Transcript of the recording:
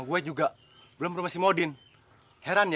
kutip udara sekolah bertemu mbak tracy